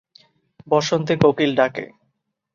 বসন্তে কোকিল ডাকে।